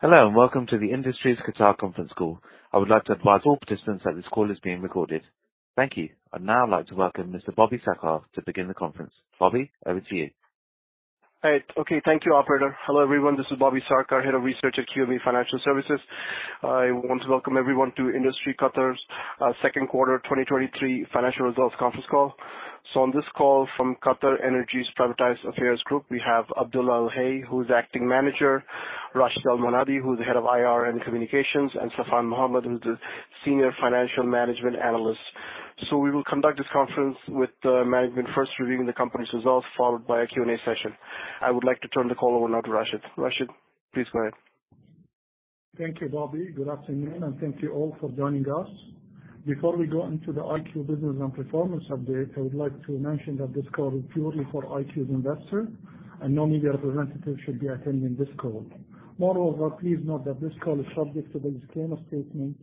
Hello. Welcome to the Industries Qatar conference call. I would like to advise all participants that this call is being recorded. Thank you. I'd now like to welcome Mr. Bobby Sarkar to begin the conference. Bobby, over to you. All right. Okay. Thank you, operator. Hello, everyone. This is Bobby Sarkar, Head of Research at QNB Financial Services. I want to welcome everyone to Industries Qatar's second quarter 2023 financial results conference call. On this call from Qatar Energy's Privatized Companies Affairs Group, we have Abdulla Al-Gubaili, who is the Acting Manager, Rashed Al-Mannai, who is the Head of IR and Communications, and Safwan Mohammed, who is the Senior Financial Management Analyst. We will conduct this conference with the management first reviewing the company's results, followed by a Q&A session. I would like to turn the call over now to Rashed. Rashed, please go ahead. Thank you, Bobby. Good afternoon. Thank you all for joining us. Before we go into the IQ business and performance update, I would like to mention that this call is purely for IQ's investors, and no media representatives should be attending this call. Moreover, please note that this call is subject to the disclaimer statement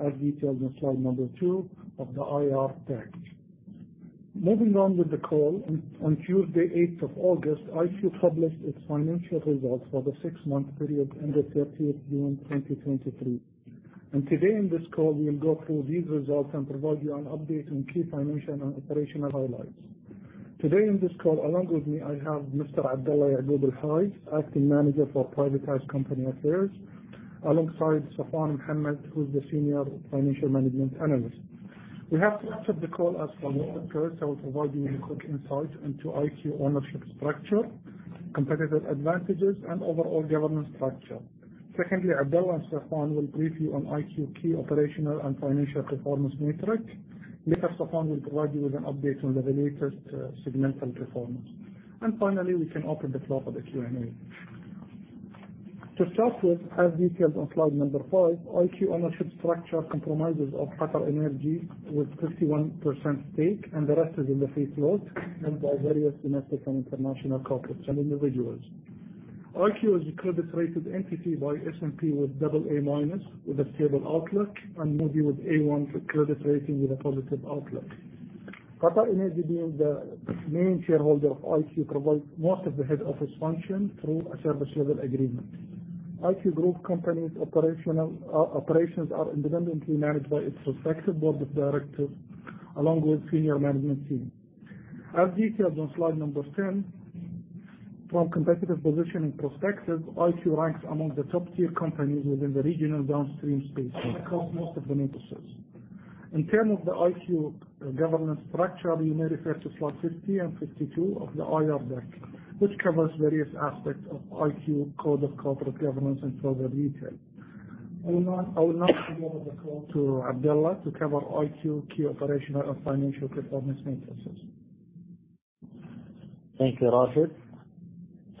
as detailed on slide number two of the IR deck. Moving on with the call. On Tuesday, 8th of August, IQ published its financial results for the six-month period ending 30th June 2023. Today in this call, we will go through these results and provide you an update on key financial and operational highlights. Today in this call, along with me, I have Mr. Abdulla Al-Gubaili, Acting Manager for Privatized Company Affairs, alongside Safwan Mohammed, who is the Senior Financial Management Analyst. We have structured the call as follows. First, I will provide you a quick insight into IQ ownership structure, competitive advantages, and overall governance structure. Secondly, Abdulla and Safwan will brief you on IQ key operational and financial performance metrics. Later, Safwan will provide you with an update on the latest segmental performance. Finally, we can open the floor for the Q&A. To start with, as detailed on slide number five, IQ ownership structure comprises of Qatar Energy with 51% stake. The rest is in the free float held by various domestic and international corporates and individuals. IQ is a credit-rated entity by S&P with AA- with a stable outlook and Moody's with A1 credit rating with a positive outlook. Qatar Energy being the main shareholder of IQ provides most of the head office function through a service level agreement. IQ group companies' operations are independently managed by its respective board of directors along with senior management team. As detailed on slide 10, from competitive position and perspectives, IQ ranks among the top-tier companies within the regional downstream space across most of the metrics. In term of the IQ governance structure, you may refer to slide 50 and 52 of the IR deck, which covers various aspects of IQ code of corporate governance in further detail. I will now hand over the call to Abdulla to cover IQ key operational and financial performance matrices. Thank you,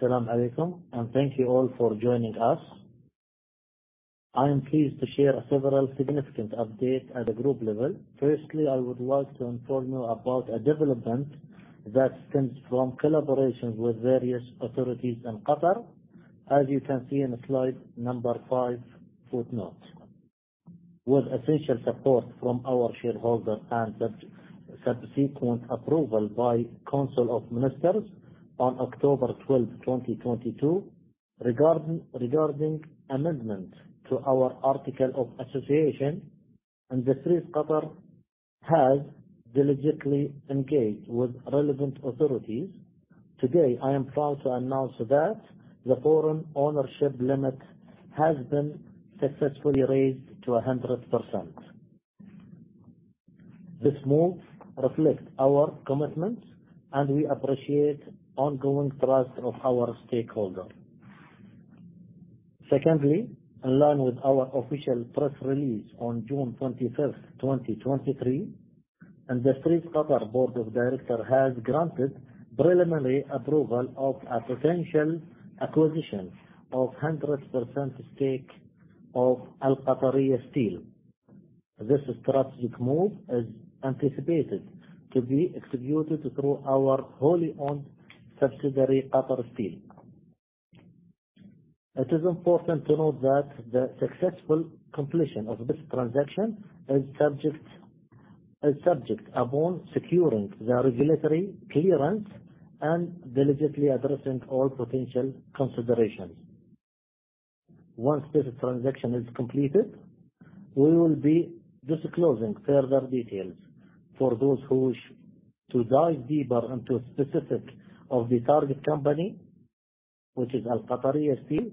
Rashed. Salam alaikum, and thank you all for joining us. I am pleased to share several significant updates at the group level. Firstly, I would like to inform you about a development that stems from collaborations with various authorities in Qatar. As you can see in slide number five footnote. With essential support from our shareholder and subsequent approval by Council of Ministers on October 12, 2022 regarding amendments to our Articles of Association, Industries Qatar has diligently engaged with relevant authorities. Today, I am proud to announce that the foreign ownership limit has been successfully raised to 100%. This move reflects our commitment, and we appreciate ongoing trust of our stakeholder. Secondly, in line with our official press release on June 21, 2023, Industries Qatar board of director has granted preliminary approval of a potential acquisition of 100% stake of Al Qataria Steel. This strategic move is anticipated to be executed through our wholly-owned subsidiary, Qatar Steel. It is important to note that the successful completion of this transaction is subject upon securing the regulatory clearance and diligently addressing all potential considerations. Once this transaction is completed, we will be disclosing further details. For those who wish to dive deeper into specifics of the target company, which is Al Qataria Steel,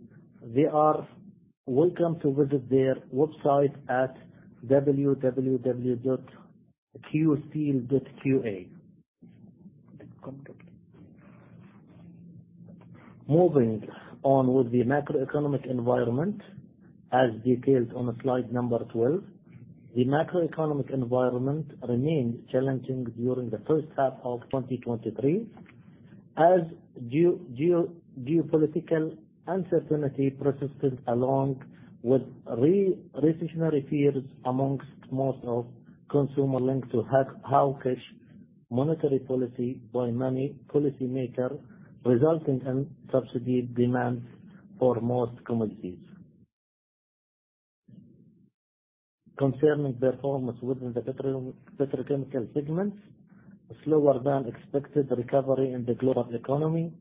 they are welcome to visit their website at www.qatarsteel.com.qa. Moving on with the macroeconomic environment, as detailed on slide 12, the macroeconomic environment remained challenging during the first half of 2023, as geopolitical uncertainty persisted along with recessionary fears amongst most consumers linked to hawkish monetary policy by many policymakers, resulting in subdued demand for most commodities. Concerning performance within the petrochemical segment, a slower-than-expected recovery in the global economy,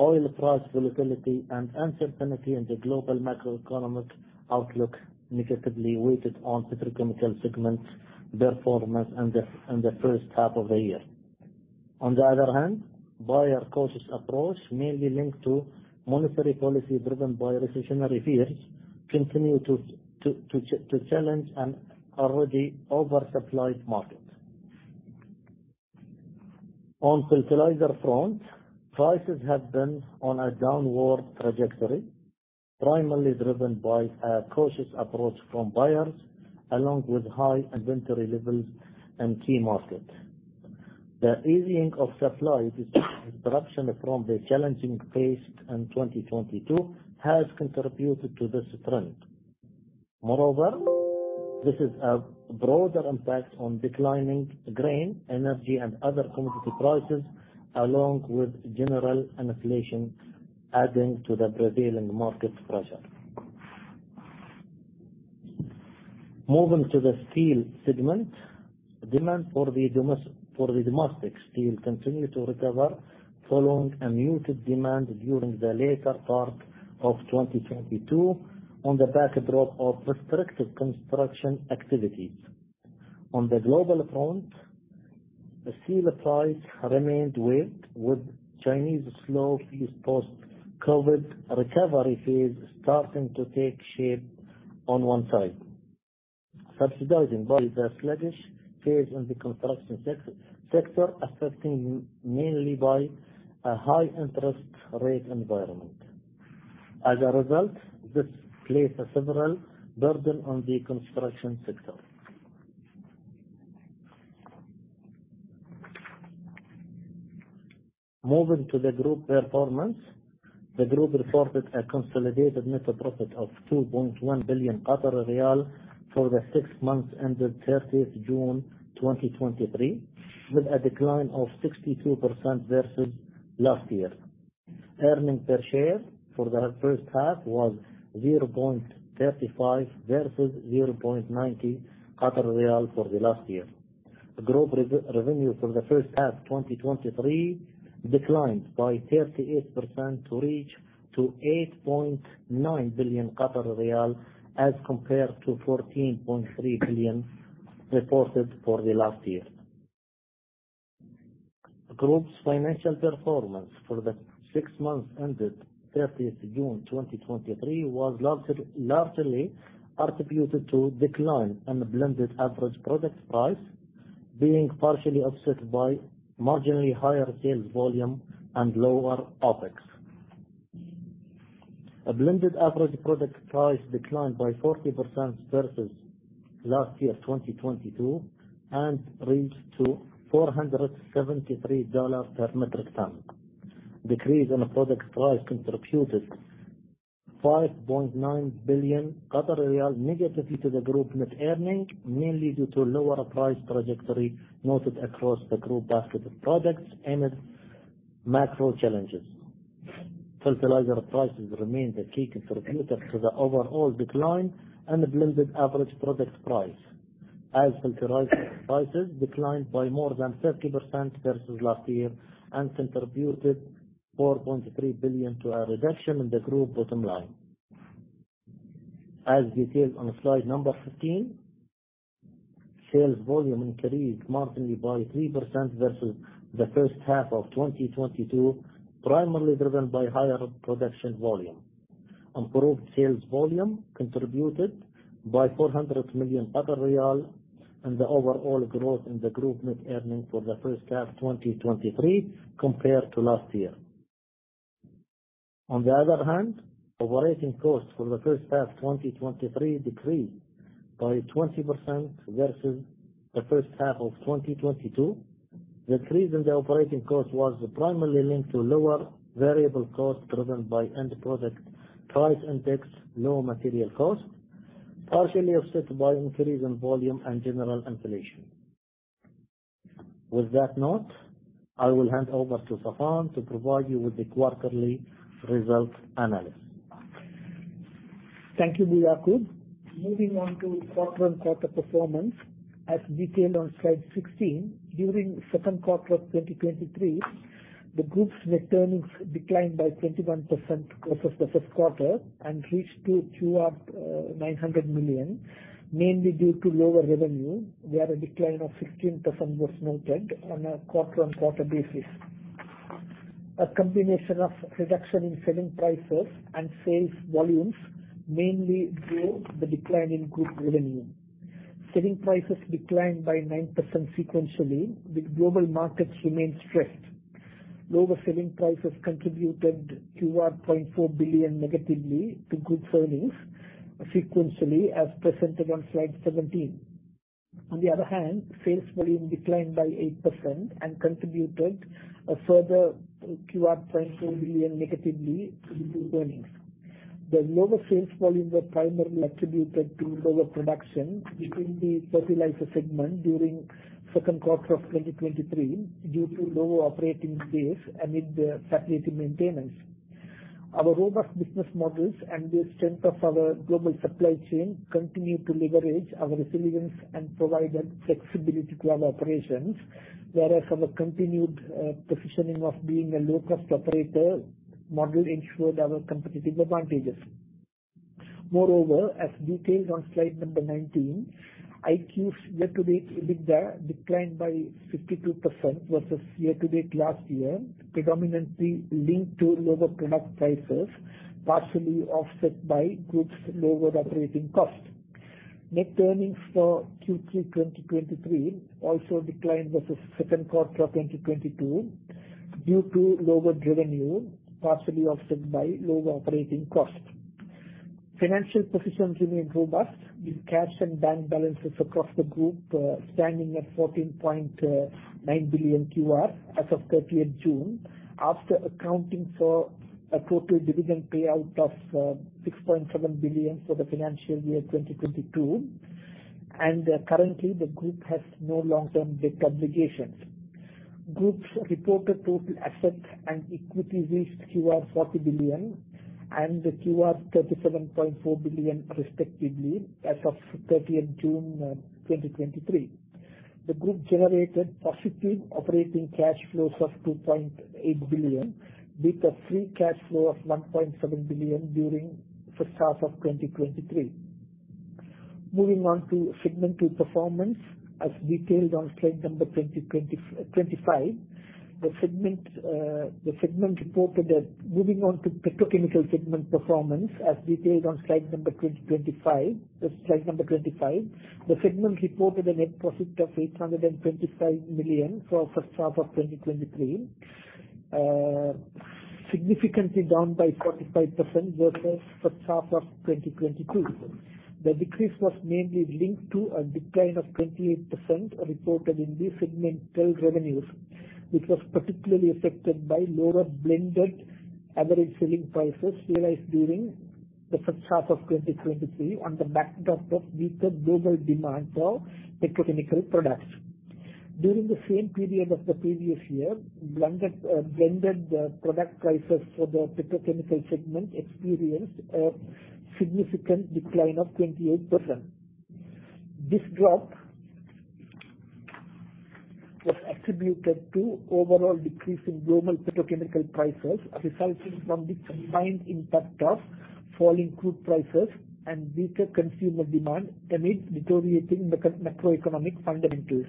oil price volatility, and uncertainty in the global macroeconomic outlook negatively weighted on petrochemical segment performance in the first half of the year. On the other hand, buyer cautious approach, mainly linked to monetary policy driven by recessionary fears, continue to challenge an already oversupplied market. On fertilizer front, prices have been on a downward trajectory, primarily driven by a cautious approach from buyers, along with high inventory levels in key markets. The easing of supply disruption from the challenging phase in 2022 has contributed to this trend. Moreover, this has a broader impact on declining grain, energy, and other commodity prices, along with general inflation adding to the prevailing market pressure. Moving to the steel segment, demand for the domestic steel continue to recover following a muted demand during the later part of 2022 on the backdrop of restricted construction activities. On the global front, the steel price remained weak, with Chinese slow pace post-COVID recovery phase starting to take shape on one side. Subsidizing by the sluggish phase in the construction sector, affected mainly by a high interest rate environment. As a result, this placed a severe burden on the construction sector. Moving to the group performance, the group reported a consolidated net profit of 2.1 billion riyal for the six months ended 30th June 2023, with a decline of 62% versus last year. Earning per share for the first half was 0.35 versus 0.90 for the last year. The group revenue for the first half 2023 declined by 38% to reach to 8.9 billion riyal as compared to 14.3 billion reported for the last year. The group's financial performance for the six months ended 30th June 2023 was largely attributed to decline in blended average product price, being partially offset by marginally higher sales volume and lower OpEx. A blended average product price declined by 40% versus last year, 2022, and reached to $473 per metric ton. Decrease in product price contributed 5.9 billion negatively to the group net earning, mainly due to lower price trajectory noted across the group basket of products amid macro challenges. Fertilizer prices remained a key contributor to the overall decline and blended average product price, as fertilizer prices declined by more than 30% versus last year and contributed 4.3 billion to a reduction in the group bottom line. As detailed on slide number 15, sales volume increased marginally by 3% versus the first half of 2022, primarily driven by higher production volume. Improved sales volume contributed by 400 million in the overall growth in the group net earnings for the first half 2023 compared to last year. On the other hand, operating cost for the first half 2023 decreased by 20% versus the first half of 2022. Decrease in the operating cost was primarily linked to lower variable cost driven by end product price index, lower material cost, partially offset by increase in volume and general inflation. With that note, I will hand over to Saffan to provide you with the quarterly result analysis. Thank you, Mujaub. Moving on to quarter-on-quarter performance, as detailed on slide 16. During second quarter of 2023, the group's net earnings declined by 21% versus the first quarter and reached to QR 900 million, mainly due to lower revenue, where a decline of 16% was noted on a quarter-on-quarter basis. A combination of reduction in selling prices and sales volumes mainly drove the decline in group revenue. Selling prices declined by 9% sequentially with global markets remain stressed. Lower selling prices contributed QR 0.4 billion negatively to group earnings sequentially, as presented on slide 17. On the other hand, sales volume declined by 8% and contributed a further QR 0.4 billion negatively to group earnings. The lower sales volume were primarily attributed to lower production within the fertilizer segment during second quarter of 2023 due to lower operating days amid the facility maintenance. Our robust business models and the strength of our global supply chain continue to leverage our resilience and provide flexibility to our operations, whereas our continued positioning of being a low-cost operator model ensured our competitive advantages. Moreover, as detailed on slide number 19, IQ's year-to-date EBITDA declined by 52% versus year-to-date last year, predominantly linked to lower product prices, partially offset by group's lower operating cost. Net earnings for Q3 2023 also declined versus second quarter of 2022 due to lower revenue, partially offset by lower operating costs. Financial positions remained robust, with cash and bank balances across the group standing at QR 14.9 billion as of 30th June, after accounting for a total dividend payout of 6.7 billion for the financial year 2022. Currently, the group has no long-term debt obligations. Group's reported total assets and equity reached QR 40 billion and QR 37.4 billion respectively as of 30th June 2023. The group generated positive operating cash flows of 2.8 billion, with a free cash flow of 1.7 billion during first half of 2023. Moving on to segmental performance, as detailed on slide number 25. Moving on to petrochemical segment performance as detailed on slide number 25. The segment reported a net profit of 825 million for first half of 2023, significantly down by 45% versus first half of 2022. The decrease was mainly linked to a decline of 28% reported in the segmental revenues, which was particularly affected by lower blended average selling prices realized during the first half of 2023 on the back of the weaker global demand for petrochemical products. During the same period of the previous year, blended product prices for the petrochemical segment experienced a significant decline of 28%. This drop was attributed to overall decrease in global petrochemical prices resulting from the combined impact of falling crude prices and weaker consumer demand amid deteriorating macroeconomic fundamentals.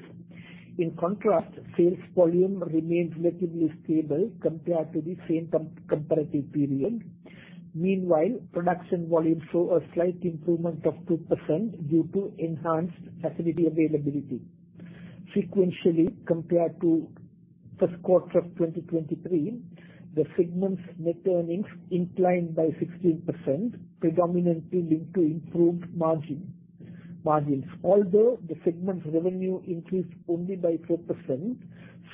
In contrast, sales volume remained relatively stable compared to the same comparative period. Meanwhile, production volumes saw a slight improvement of 2% due to enhanced facility availability. Sequentially, compared to first quarter of 2023, the segment's net earnings inclined by 16%, predominantly linked to improved margins. Although the segment's revenue increased only by 4%,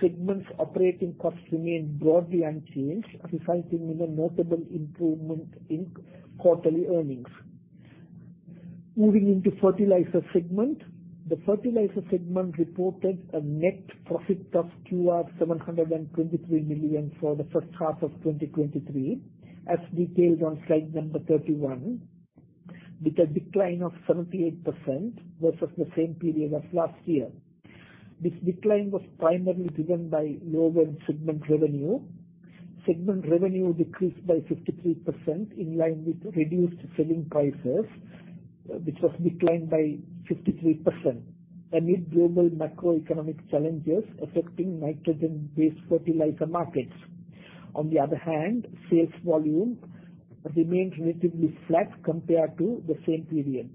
segment's operating costs remained broadly unchanged, resulting in a notable improvement in quarterly earnings. Moving into fertilizer segment. The fertilizer segment reported a net profit of QR 723 million for the first half of 2023, as detailed on slide number 31, with a decline of 78% versus the same period of last year. This decline was primarily driven by lower segment revenue. Segment revenue decreased by 53%, in line with reduced selling prices, which was declined by 53%, amid global macroeconomic challenges affecting nitrogen-based fertilizer markets. On the other hand, sales volume remains relatively flat compared to the same period.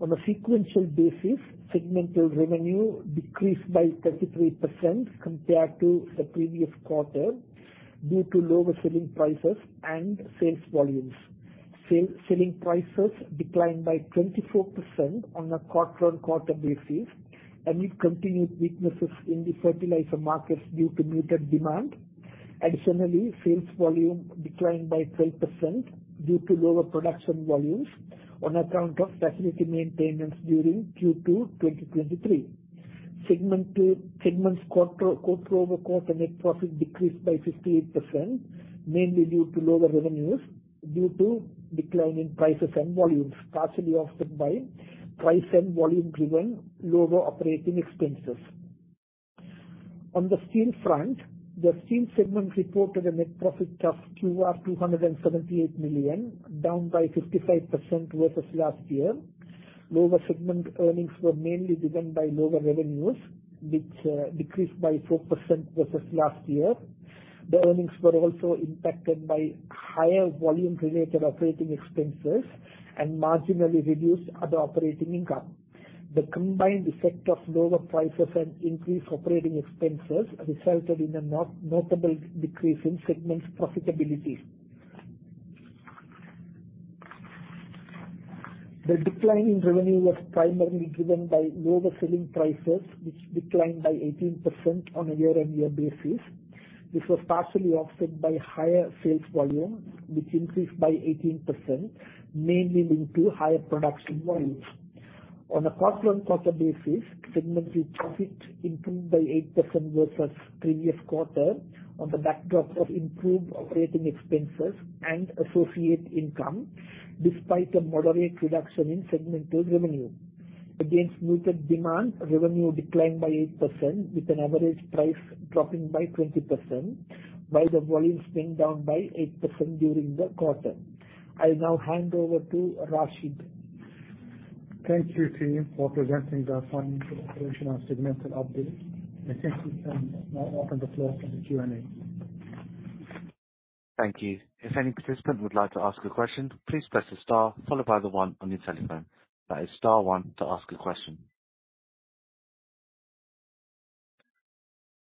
On a sequential basis, segmental revenue decreased by 33% compared to the previous quarter due to lower selling prices and sales volumes. Selling prices declined by 24% on a quarter-on-quarter basis amid continued weaknesses in the fertilizer markets due to muted demand. Additionally, sales volume declined by 12% due to lower production volumes on account of facility maintenance during Q2 2023. Segment's quarter-over-quarter net profit decreased by 58%, mainly due to lower revenues due to decline in prices and volumes, partially offset by price and volume-driven lower operating expenses. On the steel front, the steel segment reported a net profit of QR 278 million, down by 55% versus last year. Lower segment earnings were mainly driven by lower revenues, which decreased by 4% versus last year. The earnings were also impacted by higher volume-related operating expenses and marginally reduced other operating income. The combined effect of lower prices and increased operating expenses resulted in a notable decrease in segment's profitability. The decline in revenue was primarily driven by lower selling prices, which declined by 18% on a year-on-year basis. This was partially offset by higher sales volume, which increased by 18%, mainly linked to higher production volumes. On a quarter-on-quarter basis, segmental profit increased by 8% versus the previous quarter on the backdrop of improved operating expenses and associate income, despite a moderate reduction in segmental revenue. Against muted demand, revenue declined by 8%, with an average price dropping by 20%, while the volumes being down by 8% during the quarter. I now hand over to Rashid. Thank you, team, for presenting the financial, operational, and segmental update. I think we can now open the floor for the Q&A. Thank you. If any participant would like to ask a question, please press the star followed by the one on your telephone. That is star one to ask a question.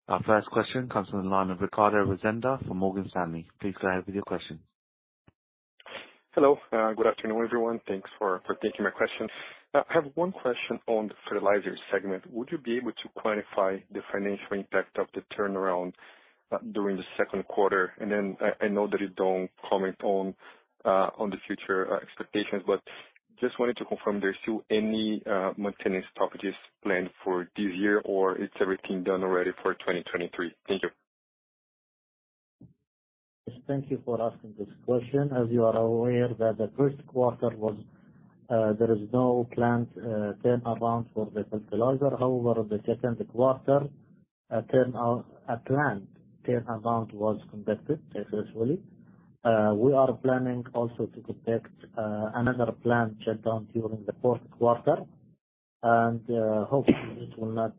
Our first question comes on the line of Ricardo Rezende from Morgan Stanley. Please go ahead with your question. Hello. Good afternoon, everyone. Thanks for taking my question. I have one question on the fertilizer segment. Would you be able to quantify the financial impact of the turnaround during the second quarter? I know that you don't comment on the future expectations, but just wanted to confirm there's still any maintenance strategies planned for this year, or is everything done already for 2023? Thank you. Yes, thank you for asking this question. As you are aware that the first quarter, there is no planned turnaround for the fertilizer. However, the second quarter, a planned turnaround was conducted successfully. We are planning also to conduct another plant shutdown during the fourth quarter. Hopefully it will not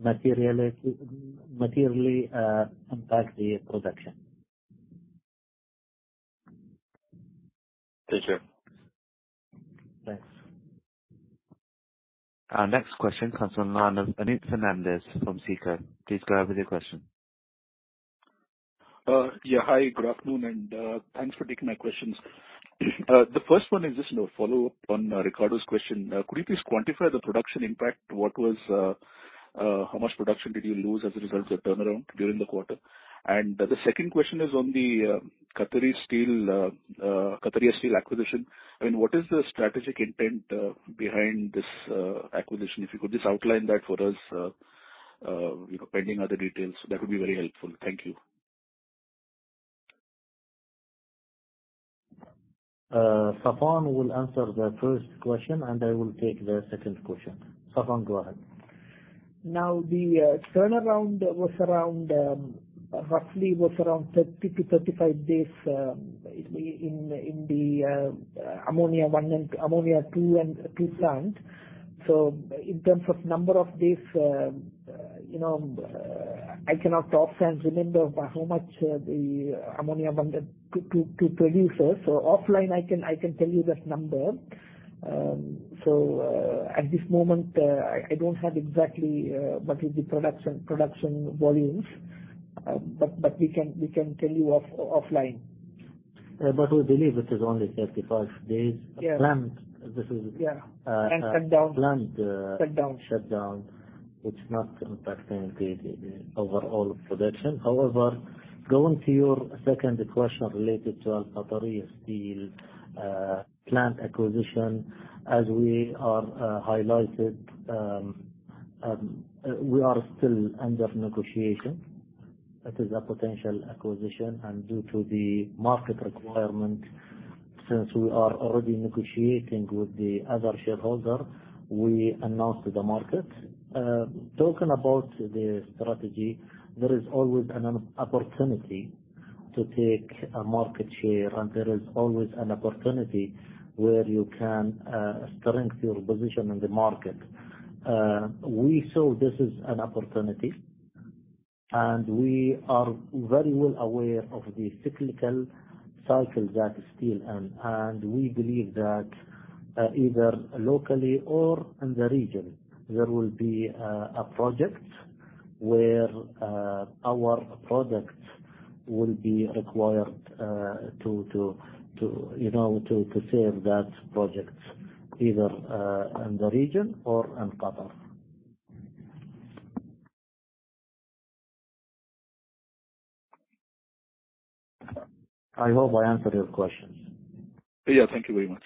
materially impact the production. Thank you. Thanks. Our next question comes on the line of Anish Fernandez from Citi. Please go ahead with your question. Yeah. Hi, good afternoon, and thanks for taking my questions. The first one is just a follow-up on Ricardo's question. Could you please quantify the production impact? How much production did you lose as a result of the turnaround during the quarter? The second question is on the Qataria Steel acquisition. What is the strategic intent behind this acquisition? If you could just outline that for us, pending other details, that would be very helpful. Thank you. Saffan will answer the first question, and I will take the second question. Saffan, go ahead. The turnaround roughly was around 30 to 35 days in the ammonia 2 and urea plant. In terms of number of days, I cannot offhand remember by how much the ammonia bundle could produce us. Offline, I can tell you that number. At this moment, I don't have exactly what is the production volumes, but we can tell you offline. We believe it is only 35 days. Yeah. Planned. Shut down. Planned- Shut down Shutdown. It's not impacting the overall production. Going to your second question related to Qataria Steel plant acquisition, as we are highlighted, we are still under negotiation. That is a potential acquisition, and due to the market requirement, since we are already negotiating with the other shareholder, we announced to the market. Talking about the strategy, there is always an opportunity to take a market share, and there is always an opportunity where you can strengthen your position in the market. We saw this as an opportunity, and we are very well aware of the cyclical cycle that steel is in. We believe that either locally or in the region, there will be a project where our product will be required to save that project, either in the region or in Qatar. I hope I answered your question. Thank you very much.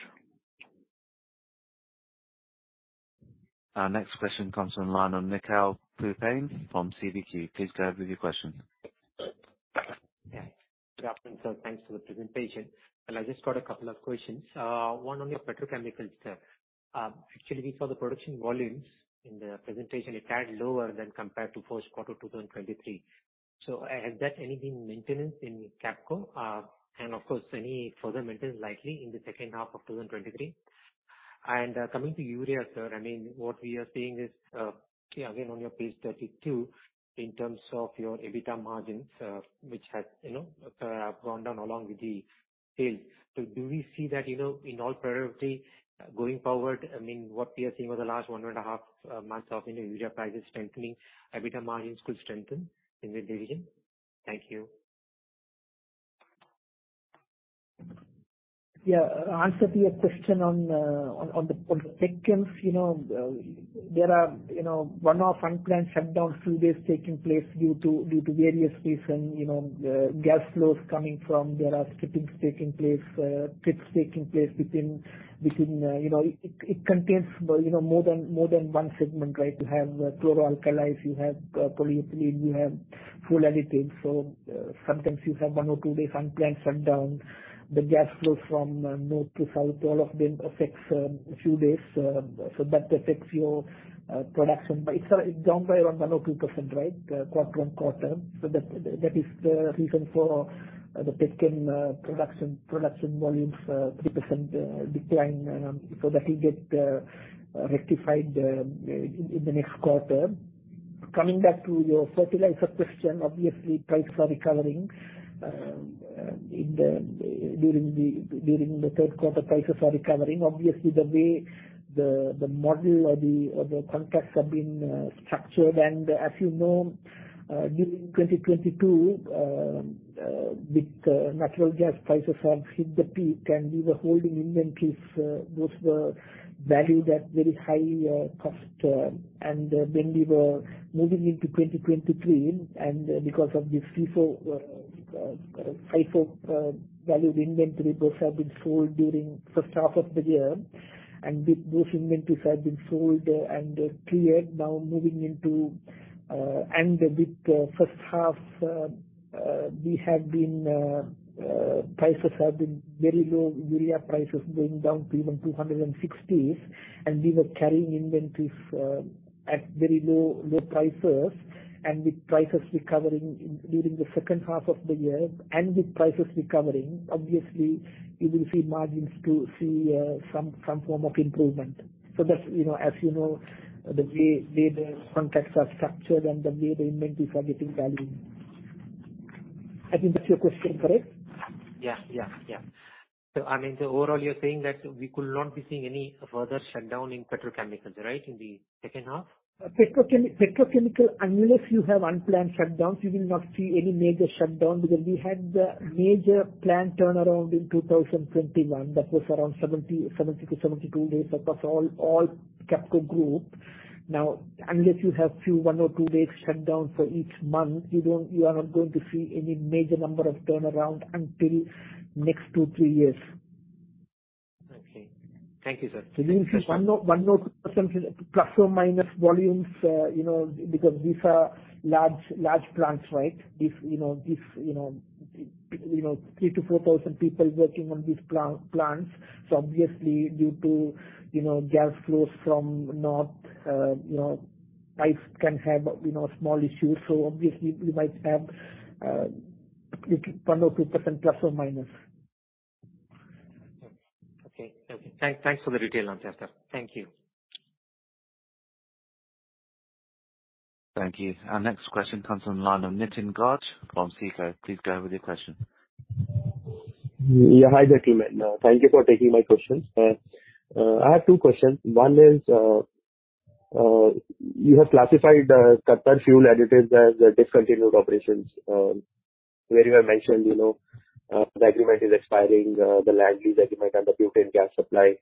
Our next question comes on the line of Nikhil Pupane from CBQ. Please go ahead with your question. Good afternoon, sir. Thanks for the presentation. I just got a couple of questions. One on your petrochemical, sir. Actually, we saw the production volumes in the presentation, a tad lower than compared to first quarter 2023. Has that anything maintenance in QAPCO? Of course, any further maintenance likely in the second half of 2023? Coming to urea, sir, what we are seeing is, again, on your page 32, in terms of your EBITDA margins, which have gone down along with the sales. Do we see that in all probability going forward? What we are seeing over the last one and a half months of urea prices strengthening, EBITDA margins could strengthen in the division? Thank you. Answer to your question on the petchems, there are one-off unplanned shutdowns, few days taking place due to various reason, gas flows coming from, there are clippings taking place, clips taking place between It contains more than one segment, right? You have chlor-alkali, you have polyethylene, you have fuel additives. Sometimes you have one or two days unplanned shutdown. The gas flow from north to south, all of them affects a few days, so that affects your production. It's down by around one or 2%, right? Quarter on quarter. That is the reason for the petchem production volumes 3% decline. That will get rectified in the next quarter. Coming back to your fertilizer question, obviously prices are recovering during the third quarter, prices are recovering. Obviously, the way the model or the contracts have been structured. As you know, during 2022, with natural gas prices have hit the peak and we were holding inventories, those were valued at very high cost. When we were moving into 2023, because of this FIFO value of inventory, those have been sold during first half of the year. With those inventories have been sold and cleared, with first half, prices have been very low, urea prices going down to even $260s. We were carrying inventories at very low prices. With prices recovering during the second half of the year, obviously, you will see margins to see some form of improvement. That's, as you know, the way the contracts are structured and the way the inventories are getting valued. I think that's your question, correct? Yeah. Overall you're saying that we could not be seeing any further shutdown in petrochemicals, right, in the second half? Petrochemical, unless you have unplanned shutdowns, you will not see any major shutdown because we had the major planned turnaround in 2021. That was around 70 to 72 days across all QAPCO group. Unless you have few one or two days shutdown for each month, you are not going to see any major number of turnaround until next two, three years. Okay. Thank you, sir. You will see 1% or 2% ± volumes because these are large plants, right? 3,000 to 4,000 people working on these plants. So obviously due to gas flows from north, pipes can have small issues, so obviously we might have 1% or 2% ±. Okay. Thank you for the detailed answer, sir. Thank you. Thank you. Our next question comes on line of Nitin Gaj from SICO. Please go ahead with your question. Hi, gentlemen. Thank you for taking my questions. I have two questions. One is, you have classified Qatar Fuel Additives as discontinued operations, where you have mentioned the agreement is expiring, the land lease agreement and the butane gas supply.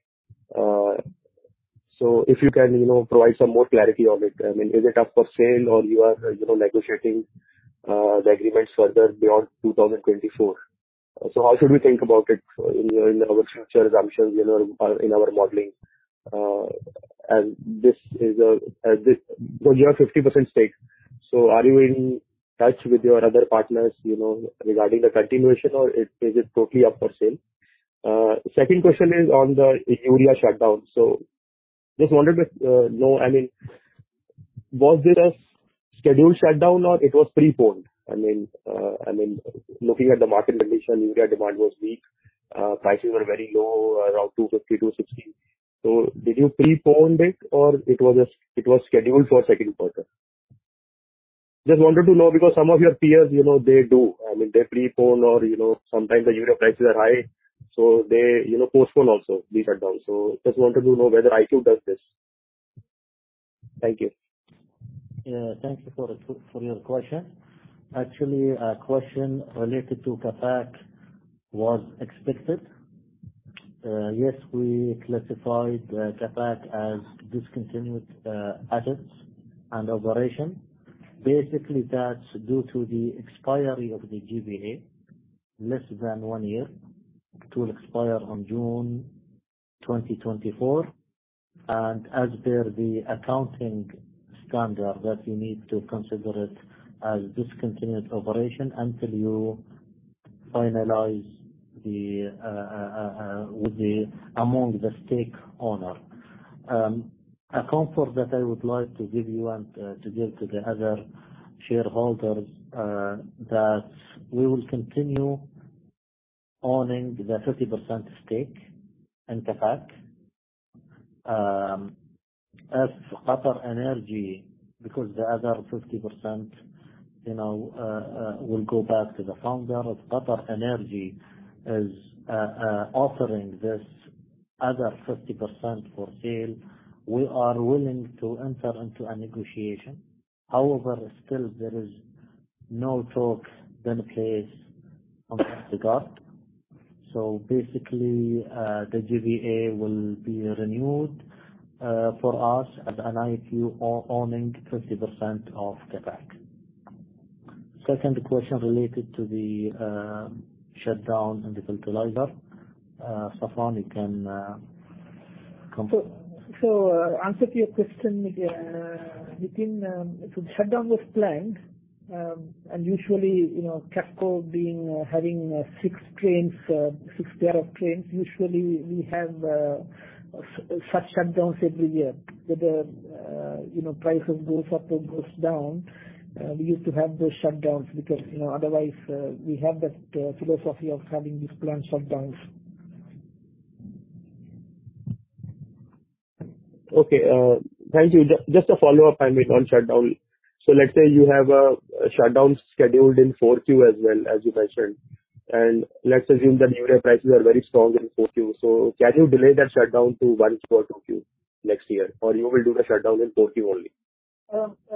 If you can provide some more clarity on it. I mean, is it up for sale or you are negotiating the agreements further beyond 2024? How should we think about it in our future assumptions, in our modeling? You have 50% stake. Are you in touch with your other partners regarding the continuation, or is it totally up for sale? Second question is on the urea shutdown. Just wanted to know, was it a scheduled shutdown or it was preponed? Looking at the market condition, urea demand was weak. Prices were very low, around 250, 260. Did you prepone it or it was scheduled for second quarter? Just wanted to know because some of your peers, they do. They prepone or sometimes the urea prices are high, so they postpone also the shutdown. Just wanted to know whether IQ does this. Thank you. Thank you for your question. Actually, a question related to QAFAC was expected. Yes, we classified QAFAC as discontinued assets and operation. Basically, that's due to the expiry of the GBA, less than one year, to expire on June 2024. As per the accounting standard that you need to consider it as discontinued operation until you finalize among the stake owner. A comfort that I would like to give you and to give to the other shareholders, that we will continue owning the 50% stake in QAFAC. As Qatar Energy, because the other 50% will go back to the founder of Qatar Energy is offering this other 50% for sale. We are willing to enter into a negotiation. However, still no talks have been placed on the card. Basically, the GBA will be renewed for us as an IQ owning 50% of QAFAC. Second question related to the shutdown in the fertilizer. Safwan, you can comment. Answer to your question, the shutdown was planned, and usually, QAFCO having six trains, six pair of trains, usually we have such shutdowns every year. Whether prices goes up or goes down, we used to have those shutdowns because otherwise we have that philosophy of having these planned shutdowns. Okay. Thank you. Just a follow-up on shutdown. Let's say you have a shutdown scheduled in 4Q as well, as you mentioned, and let's assume that urea prices are very strong in 4Q. Can you delay that shutdown to 1Q or 2Q next year? Or you will do the shutdown in 4Q only?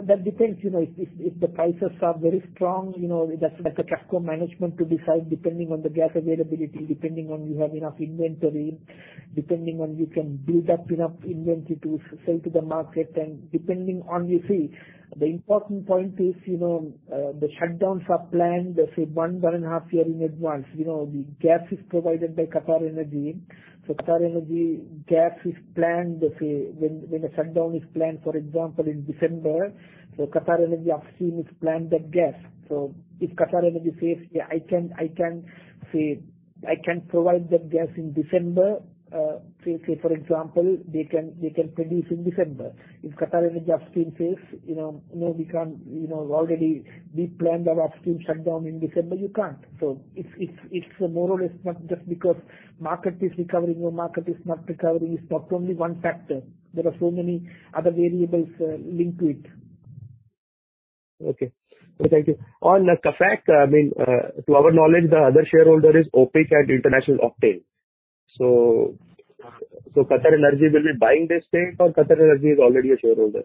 That depends. If the prices are very strong, that's like a QAFCO management to decide, depending on the gas availability, depending on you have enough inventory, depending on you can build up enough inventory to sell to the market, and depending on you see, the important point is, the shutdowns are planned, let's say, one year and a half year in advance. The gas is provided by Qatar Energy. Qatar Energy gas is planned, let's say, when the shutdown is planned, for example, in December, Qatar Energy upstream has planned that gas. If Qatar Energy says, "I can provide that gas in December," say for example, they can produce in December. If Qatar Energy upstream says, "No, we can't. Already we planned our upstream shutdown in December," you can't. It's more or less not just because market is recovering or market is not recovering. It's not only one factor. There are so many other variables linked to it. Okay. Thank you. On QAFAC, to our knowledge, the other shareholder is International Octane Limited. Qatar Energy will be buying this stake, or Qatar Energy is already a shareholder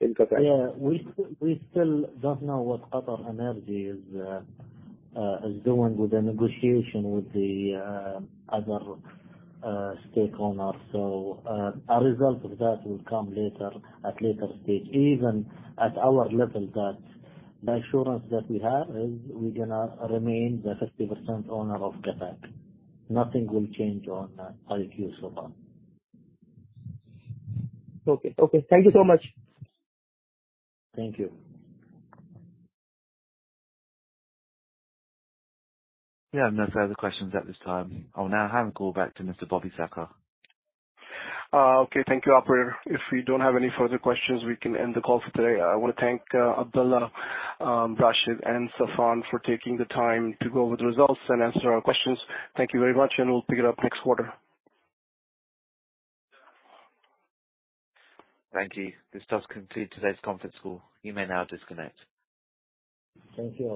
in QAFAC? Yeah. We still don't know what Qatar Energy is doing with the negotiation with the other stakeholders. A result of that will come later at later stage. Even at our level, the assurance that we have is we're going to remain the 50% owner of QAFAC. Nothing will change on IQ so far. Okay. Thank you so much. Thank you. Yeah, no further questions at this time. I'll now hand call back to Mr. Bobby Sarkar. Okay. Thank you, operator. If we don't have any further questions, we can end the call for today. I want to thank Abdulla, Rashed, and Saffan for taking the time to go over the results and answer our questions. Thank you very much, and we'll pick it up next quarter. Thank you. This does conclude today's conference call. You may now disconnect. Thank you.